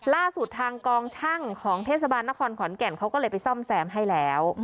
ล่าสุดทางกองช่างของเทศบาลนครขอนแก่นเขาก็เลยไปซ่อมแซมให้แล้ว